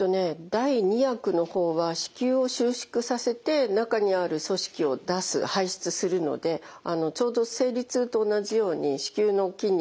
第２薬の方は子宮を収縮させて中にある組織を出す排出するのでちょうど生理痛と同じように子宮の筋肉まあ壁のね